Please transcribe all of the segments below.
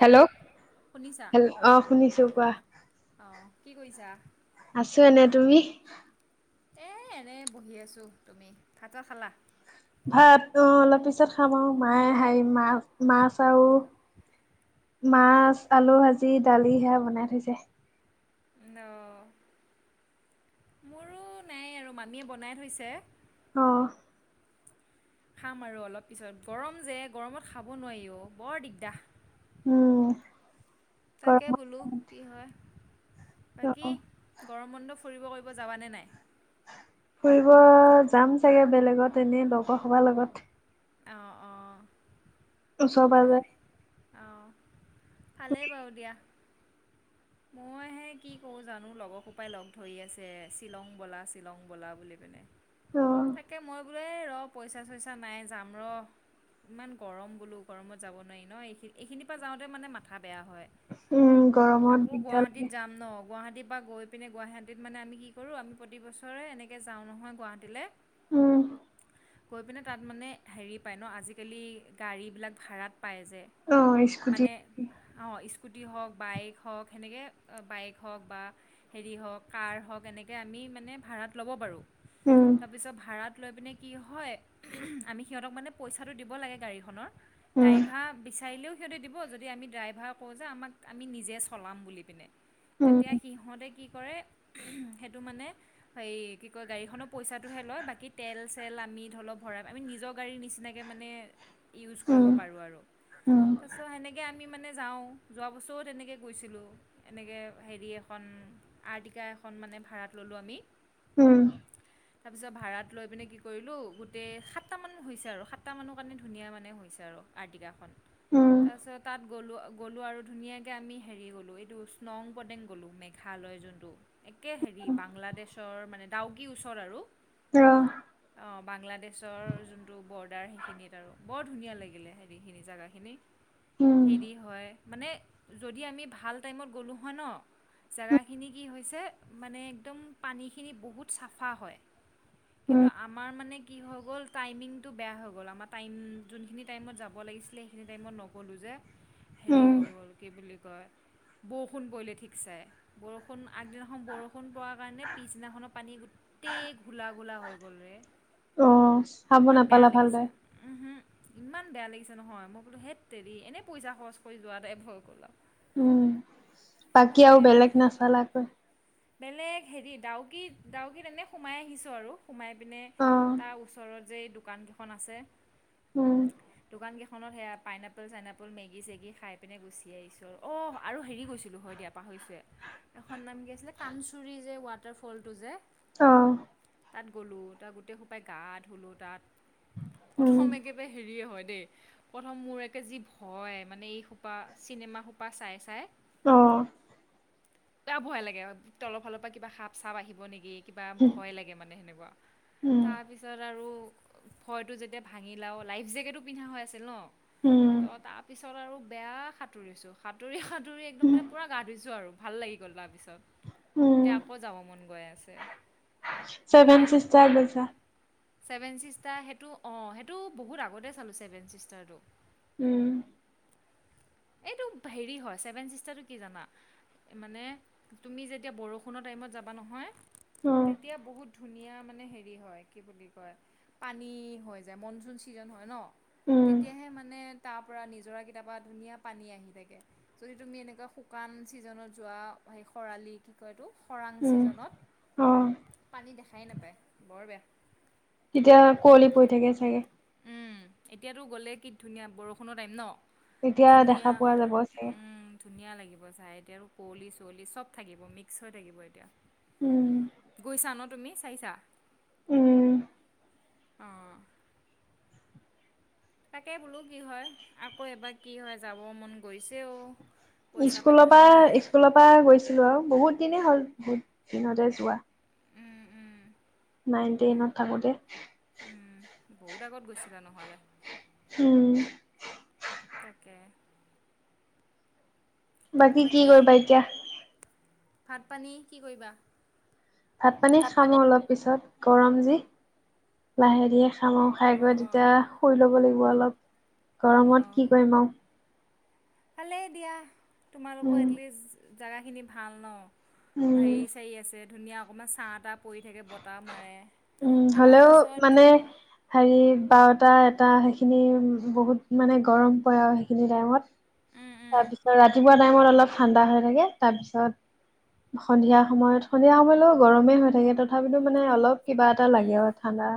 Hello শুনিছা হে অহ শুনিছো কোৱা অহ কি কৰিছা আছো এনে তুমি এ এনেই বহি আছোঁ তুমি ভাট খালা ভাত তো অলপ পিছত খাম আও মায়ে হেৰি মাছ মাছ আৰু মাছ আলু ভাজি দালি সেয়া বনাই থৈছে অঁহ মোৰো নাই আৰু মামীয়ে বনাই থৈছে অহ খাম আৰু অলপ পিছত গৰম যে গৰমত খাব নোৱাৰি ও বৰ দিগদাৰ উম তাকে বোলো গৰমত কি হয় বাকী অ গৰম বন্ধ ফুৰিব কৰিব যাবানে নাই ফুৰিব যাম চাগে বেলেগত এনেই লগৰ সোপাৰ লগত অহ অহ ওচৰ পৰা যে অঁহ ভালেই বাৰু দিয়া মইহে কি কৰো জানো লগৰ সোপাই লগ ধৰি আছে শ্বিলং ব'লা শ্বিলং বলা বুলি পিনে অ তাকে মই বোলোঁ এই ৰ পইচা চইচা নাই যাম ৰ ইমান গৰম বোলো গৰমত যাব নোৱাৰি নহয় এইখিনি এইখিনিৰ পৰা যাওঁতে মানে মাথা বেয়া হয় উম গৰমত আকৌ দিগদাৰ গুৱাহাটীত লাগে যাম ন গুৱাহাটীৰ পৰা গৈ পিনে গুৱাহাটীত মানে আমি কি কৰোঁ আমি প্ৰতিবছৰে এনেকে যাওঁ নহয় গুৱাহাটীলে উম গৈ পিনে তাত মানে হেৰি পায় ন আজিকালি গাড়ীবিলাক ভাড়াত পায় যে অ স্কুটি মানে অহ স্কুটি হওঁক বাইক হওঁক সেনেকে বাইক হওঁক বা হেৰি হওঁক কাৰ হওঁক এনেকে আমি মানে ভাড়াত ল'ব পাৰোঁ উম তাৰপিছত ভাড়াত লৈ পিনে কি হয় আমি সিহঁতক মানে পইচাটো দিব লাগে গাড়ীখনৰ উম ড্ৰাইভা বিচাৰিলোঁ সিহঁতি যদি আমি ড্ৰাইভাৰ কওঁ আমাক আমি নিজে চলাম বুলি পিনে তেতিয়া উম সি সিহঁতে কি কৰে উম হেতু মানে সেই গাড়ী খনৰ পইছা তটোহে লয় বাকী তেল চেল আমি ধৰি লওক ভৰাই আমি নিজৰ গাড়ীৰ নিচিনাকৈ মানে ইউজ কৰিব উম পাৰোঁ আৰু উম চ' সেনেকৈ আমি মানে যাওঁ যোৱা বছৰো তেনেকৈ গৈছিলোঁ এনেকে হেৰি এখন আৰ্টিকা এখন মানে ভাড়াত ল'লোঁ আমি উম তাৰপিছত ভাড়াত লৈ পিনে কি কৰিলোঁ গোটেই সাতটামান হৈছে আৰু সাতটামানৰ কাৰণে ধুনীয়া মানে হৈছে আৰু আৰ্টিকাখন উম তাৰপিছত তাত গ'লোঁ গ'লোঁ আৰু ধুনীয়াকৈ আমি হেৰি গ'লোঁ এইটো স্নং পদেং গ'লোঁ মেঘালয় যোনটো একে হেৰি বাংলাদেশৰ মানে ডাউকি ওচৰ আৰু অ অঁ বাংলাদেশৰ যোনটো বৰ্ডাৰ সেইখিন আৰু বৰ ধুনীয়া লাগিলে হেৰিখিনি জেগাখিনি উম হেৰি হয় মানে যদি আমি ভাল টাইমত গ'লোঁ হয় ন জেগাখিনি কি হৈছে মানে একদম পানীখিনি বহুত চাফা হয় উম কিন্তু আমাৰ মানে কি হৈ গ'ল টাইমিং টো বেয়া হৈ গ'ল আমাৰ টাইম যোনখিনি টাইমত যাব লাগিছিলে সেই খিনি টাইমত নগলোঁ যে হেৰি উম হৈ গ'ল কি বুলি কয় বৰষুণ পৰিলে ঠিক চাই বৰষুণ আগদিনা এ বৰষুণ পৰা কাৰণে পিছদিনাখনৰ পানী গোটেই গোলা গোলা হৈ গ'লৰে অ চাব ইমান বেয়া নাপালা লাগিছে ভালদৰে উম ইমান বেয়া লাগিছে নহয় মই বোলো হেত তেৰি এনেই পইচা খৰচ কৰি যোৱা এ এভয [unintelligible] উম বাকী আৰু বেলেগ নাচালাকৈ বেলেগ হেৰি ডাউকিত ডাউকিত এনে সোমাই আহিছোঁ আৰু সোমাই পিনে অ তাৰ ওচৰত যে দোকানকেইখন আছে অঁ দোকান কেইখনত সেয়া পাইনাপল চাইনপল মেগি চেগি খাই পিনে গুচি আহিছোঁ অঁ আৰু হেৰি গৈছিলোঁ হয় দিয়া পাহৰিছোৱে এখন নাম কি আছিলে কানচুৰৰি যে ৱাটাৰফলটো যে অ তাত গ'লোঁ তাত গোটেই সোপাই গা ধুলোঁ তাত উম প্ৰ ব হেৰিয়ে হয় দেই প্ৰথম মোৰ একে যি ভয় মানে এই সোপা চিনেমা সোপা চাই চাই অ এ ভয় লাগে তলৰ ফালৰ পৰা কিবা সাপ চাপ আহিব নেকি কিবা ভয় লাগে মানে সেনেকুৱা উম তাৰ পিছত তাৰপিছত আৰু ভয়টো যেতিয়া ভাঙি লাওঁ লাইফ জেকেতটো পিন্ধা হৈ আছিল ন উম অ তাৰপিছত আৰু বেয়া সাঁতুৰিছোঁ সাঁতুৰি সাঁতুৰি একদম মানে পুৰা গা ধুইছোঁ আৰু ভাল লাগি গ'ল তাৰপিছত উম এতিয়া আকৌ যাব মন গৈ আছে চেভেন চিষ্টাৰ [unintelligible] ছেভেন চিষ্টাৰ সেইটো অঁ সেইটো বহুত আগতে চালোঁ ছেভেন চিষ্টাৰটো উম এইটো হেৰি হয় চছেভেন চিষ্টাৰটো কি জানা মানে তুমি যেতিয়া বৰষুণৰ টাইমত যাবা নহয় অ তেতিয়া বহুত ধুনীয়া মানে হেৰি হয় কি বুলি কয় পানী হৈ যায় মনচুন ছিজন হয় ন! উম তেতিয়াহে মানে তাৰ পৰা নিজৰা কেইটা পা ধুনীয়া পানী আহি থাকে। যদি তুমি এনেকুৱা শুকান ছিজনত যোৱা খৰালি কি কয় এইটো খৰাং উম ছিজনত অ পানী দেখাই নাপায় বৰ বেয়া। তেতিয়া কুঁৱলী পৰি থাকে চাগে? উম এতিয়াতো গ'লে কি ধুনীয়া বৰষুণৰ টাইম ন! এতিয়া দেখা ধুনীয়া পোৱা যাব চাগে? উম ধুনীয়া লাগিব চাই এতিয়া আৰু কুঁৱলি চুঁৱলি চব থাকিব মিক্স হৈ থাকিব এতিয়া। উম। গৈছা ন তুমি চাইছা? ওম। অঁ। তাকে বোলো কি হয় আকৌ এবাৰ কি হয় যাব মন গৈছে অ। স্কুলৰ পৰা স্কুলৰ পৰা গৈছিলো আৰু বহুত দিনে হ'ল বহুত দিনতে যোৱা। উম উম। নাইন টেনত থাকোতে। উম বহুত আগত গৈছিলা নহ'লে। উম। তাকে। বাকী কি কৰিবা এতিয়া? ভাত পানী কি কৰিবা? ভাত পানী খামো অলপ পিছত গৰম যি লাহে দিহে উম খাই অঁ গৈ অঁ তেতিয়া শুই ল'ব লাগিব অলপ অঁ গৰমত অঁ কি কৰিম আৰু। ভালেই দিয়া তোমালোকৰ উম, এটলিষ্ট জেগাখিনি ভাল ন। উম, হেৰি চাৰী আছে ধুনীয়া অকণমান ছাঁ তাহ পৰি থাকে বতাহ মাৰে। উম আমাৰ হলেও ওচৰত মানে হেৰি বাৰটা এটা সেইখিনি বহুত মানে গৰম পৰে আৰু সেইখিনি টাইমত। উম উম তাৰপিছত ৰাতিপুৱা টাইমত অলপ ঠাণ্ডা হৈ থাকে তাৰপিছত, সন্ধিয়া সময়ত সন্ধিয়া সময়লৈ গৰমেই হৈ থাকে তথাপিতো মানে অলপ কিবা এটা লাগে আৰু ঠাণ্ডা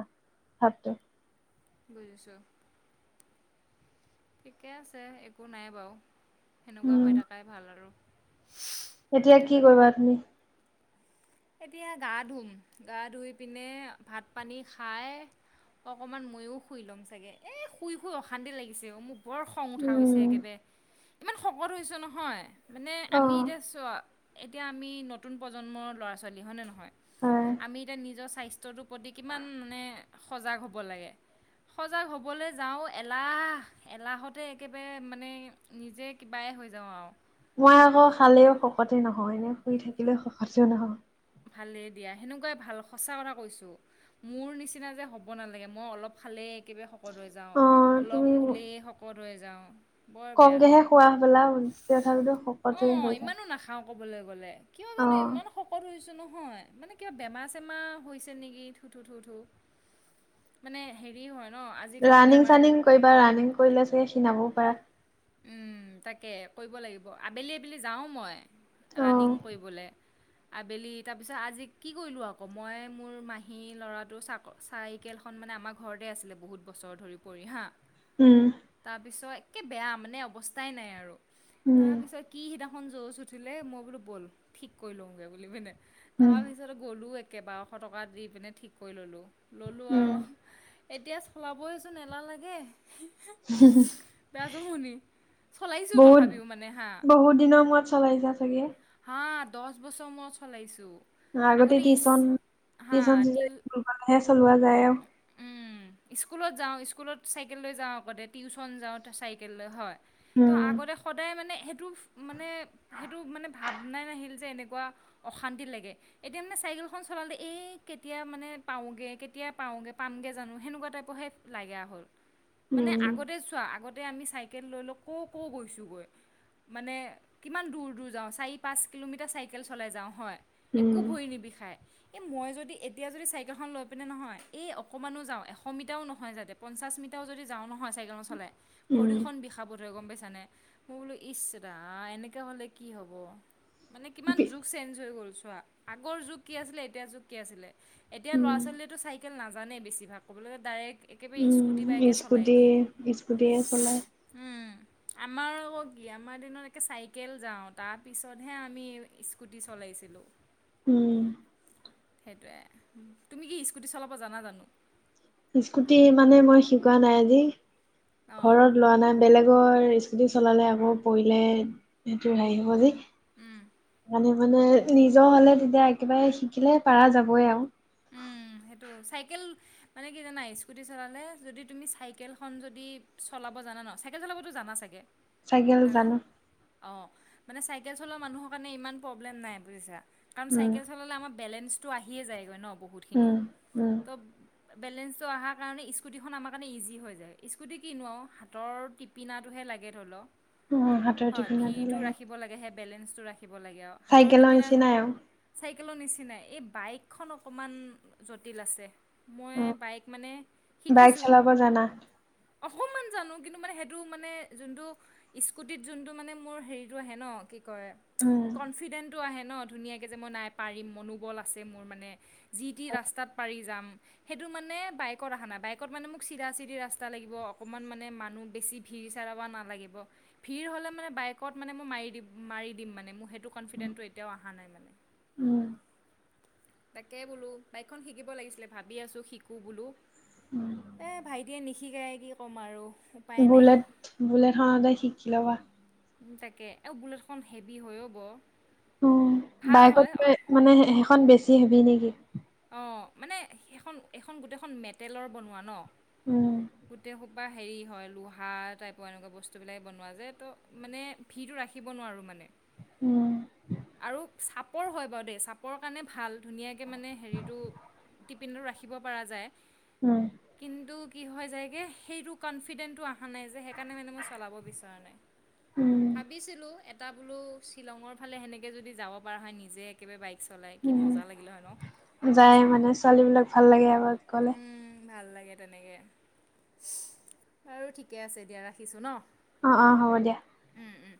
ভাৱটো। বুজিছোঁ। ঠিকে আছে একো নাই বাৰু সেনেকুৱা উম, হৈ থাকাই ভাল আৰু। এতিয়া কি কৰিবা তুমি? এতিয়া গা ধুম গা ধুই পিনে ভাত পানী খাই অকনমান ময়ো শুই ল'ম চাগে এ শুই শুই অশান্তি লাগিছে অ মোক।। বৰ খং উঠা হৈছে উম। একেবাৰে ইমান শকত হৈছোঁ নহয়! মানে অ আমি এতিয়া চোৱা এতিয়া আমি নতুন প্ৰজন্মৰ ল'ৰা ছোৱালী হয়নে নহয়। হয় আমি এতিয়া নিজৰ স্বাস্থ্যটোৰ প্ৰতি কিমান মানে সজাগ হ'ব লাগে। সজাগ হ'বলৈ যাওঁ এলাহ এলাহতে একেবাৰে মানে নিজে কিবাই হৈ যাওঁ আৰু। মই আকৌ খালেও শকতে নহয় এনে শুই থাকিলেও শকতেও নহয়। ভালেই দিয়া সেনেকুৱাই ভাল সঁচা কথা কৈছোঁ। মোৰ নিচিনা যে হ'ব নালাগে মই অলপ খালে একেবাৰে শকত হৈ যাওঁ অ তুমি অলপ শুলেই শকত হৈ যাওঁ বৰ বেয়া কমকেহে খোৱা সপলা তথাপিতো শকতহে হৈ যাওঁ খাওঁ ক'বলৈ গ'লে কিয় জানো ইমান শ হৈছোঁ নহয় মানে কিবা বেমাৰ চেমা হৈছে নেকি থু থু থু থু মানে হেৰি হয় ন আজিকালি ৰানিং বেমাৰ চানিং কৰিবা ৰানিং কৰিলে চাগে ক্ষীনাবও পাৰা তাকে কৰিব লাগিব আবেলি আবেলি যাওঁ মই অ ৰাণিং কৰিবলে আবেলি তাৰপিছত আজি কি কৰিলোঁ আকৌ মই মোৰ মাহী ল'ৰাটো চাক চাইকেলখন মানে আমা ঘৰতে আছিলে বহুত বছৰ ধৰি পৰি হাঁ উম তাৰপিছত একে বেয়া মানে অৱস্থাই নাই আৰু উম তাৰপিছত কি সিদিনাখন জজ উঠিলে মই বোলো ব'ল ঠিক কৰি লওঁগৈ বুলি পিনে উম তাৰপিছত পিছতে গ'লোঁ একে বাৰশ টকা দি পিনে ঠিক কৰি ললোঁ ললোঁ উম আৱ এতিয়া চলাবইচোন এলাহ লাগে বেয়া জমনি চলাইছো বহুত তথাপিও মানে হা বহুত দিনৰ মূৰত চলাইছা চাগে হা দহ বছৰ মূৰত চলাইছোঁ আগতে টিচন হা টিচন টিউ গলেহে চলোৱা যায় আৱ স্কুলত যাওঁ স্কুলত চাইকেল লৈ যাওঁ আগতে টিউচন যাওঁ চাইকেল লৈ হয় ত উম আগতে সদায় মানে সেইটো মানে সেইটো মানে ভাৱনাই নাহিল যে এনেকুৱা অশান্তি লাগে এতিয়া মানে চাইকেলখন চলালে এই কেতিয়া মানে পাওঁগে কেতিয়া পাওঁগে পামগে জানো সেনেকুৱা টাইপ হে লাগা হল মানে উম আগতে চোৱা আগতে আমি চাই কেল লৈ লৈ ক ক গৈছোঁগৈ মানে কিমান দূৰ দূৰ যাওঁ চাৰি পাঁচ কিলোমিটাৰ চাইকেল চলাই যাওঁ হয় একো উম ভৰি নিবিষায় এই মই যদি এতিয়া যদি চাইকেলখন লৈ পিনে নহয় এই অকণমানো যাওঁ এশ মিটাও নহয় যাতে পঞ্চাছ মিটাও যদি যাওঁ নহয় চাইকেল খন চলাই ভৰিখন উম বিষাব ধৰে গম পাইছানে মই বোলো ইচ্ছৰা এনেকে হলে কি হ'ব মানে কিমান যুগ চেঞ্জ হৈ গ'ল চোৱা আগৰ যুগ কি আছিলে এতিয়া যুগ কি আছিলে এতিয়া ল'ৰা উম ছোৱালীয়েতো চাইকেল নাজানেই বেছিভাগ কবালে গলে ডাইৰেক্ট একেবাৰে স্কুটি, উম, বাইকে চলাই স্কুটি দিয়ে স্কুটিয়ে চলাই উম আমাৰ আকৌ কি আমাৰ দিনত একে চাইকেল যাওঁ তাৰ পিছতহে আমি স্কুটি চলাইছিলোঁ উম সেইটোৱে, তুমি কি স্কুটি চলাব জানা জানো? স্কুটি মানে মই শিকোৱা নাই আজি অঁ ঘৰত ল'ৰা নাই বেলেগৰ স্কুটি চলালে আকৌ পৰিলে সেইটো হেৰি হ'ব যে মানে মানে নিজৰ হলে তেতিয়া একেবাৰে শিকিলে পাৰা যাবই আৱ উম, সেইটো চাইকেল মানে কি জানা স্কুটি চলালে যদি তুমি চাইকেল খন যদি চলাব জানা ন চা চাইকেল চলাবতো জানা চাগে? চাইকেল নাই নাই জানো। অঁ মানে চাইকেল চলোৱা মানুহৰ কাৰণে ইমান প্ৰব্লেম নাই বুজিছা কাৰণ উম, চাইকেল চলালে আমা বেলেঞ্চটো আহিয়ে যায়গৈ ন বহুত উম উম অব বেলেঞ্চটো অহাৰ কাৰণে স্কুটিখন আমাৰ কাৰণে ইজি হৈ যায় স্কুটি কি নো আও হাতৰ টিপ পিনা টোহে লাগে ধৰি ল উম, হাতৰ হয় টিপিনাটো ফ্ৰিটো লাগে ৰাখিব লাগেহে বেলেঞ্চটো ৰাখিব লাগে আৰু হাতৰ চাইকেলৰ টিপিনা নিচিনাই আৰু। চাইকেলৰ নিচিনাই এই বাইকখন অকমান জটিল আছে মই উম, বাইক মানে বাইক শিকিছোঁ চলাব জানা অকমান জানো কিন্তু মানে সেইটো মানে যোনটো, স্কুটিত যোনটো মানে মোৰ হেৰিটো আহে ন কি কি কয় উম, কনফিডেণ্টটো আহে ন ধুনীয়াকে যে মই নাই পাৰিম মনোবল আছে মোৰ মানে যি টি ৰাস্ত- ৰাস্তাত পাৰি যাম। সেইটো মানে বাইকত অহা নাই বাইকত মানে মোক চিধা চিধি ৰাস্তা লাগিব অকমান মানে মানুহ বেছি ফিৰ চাৰাব নালাগিব। ভিৰ হ'লে মানে বাইকত মানে মই মাৰি দিম মাৰি দিম মানে মোৰ সেইটো কনফিডেন্টতো এতিয়াও অহা নাই মানে। উম তাকে বোলো বাইকখন শিকিব লাগিছিলে। ভাবি আছোঁ, শিকোঁ বোলো। এই ভাইটিয়ে নিশিকায়, কি ক'ম আৰু। উপায় নাই বুলেট বুলেটখনতে শিকি ল'বা। উ তাকে আৰু বুলেটখন হেভি হয় ও ব। উম, ভাল বাইকতকে মানে হে সেখন বেছি হেভী নেকি? অ', মানে সেইখন এইখন গোটেইখন মেটেলৰ বনোৱা ন। উম, গোটে সোপা হেৰি হয়, লোহাত টাইপৰ এনেকুৱা বস্তুবিলাকে বনোৱা যে তো মানে ভিৰটো ৰাখিব নোৱাৰোঁ মানে। উম। আৰু চাপৰ হয় বাৰু দেই। চাপৰ কাৰণে ভাল ধুনীয়াকে মানে হেৰিটো, টিপিনটো ৰাখিব পৰা যায়। উম। কিন্তু কি হয় যায়গে, সেইটো ক'নফিডেন্টতো অহা নাই যে সেইকাৰণে মানে মই চলাব বিচৰা নাই। উম, ভাবিছিলোঁ, এটা বোলো শ্বিলঙৰ ফালে সেনেকে যদি যাব পৰা হয় নিজে কি বে বাইক চলাই কি উম। মজা লাগিলে হয় ন! যায় মানে ছোৱালীবিলাক, ভাল লাগে আগত গ'লে। উম ভাল লাগে তেনেকে। বাৰু ঠিকে আছে দিয়া। ৰাখিছোঁ ন অ' অ' হ'ব দিয়া। উম, উম।